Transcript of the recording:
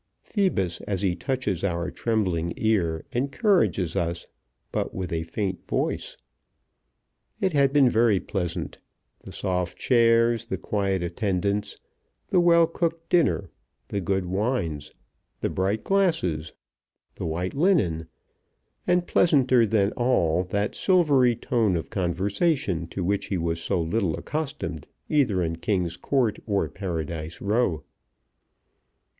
Phoebus as he touches our trembling ear encourages us but with a faint voice. It had been very pleasant, the soft chairs, the quiet attendance, the well cooked dinner, the good wines, the bright glasses, the white linen, and pleasanter than all that silvery tone of conversation to which he was so little accustomed either in King's Court or Paradise Row.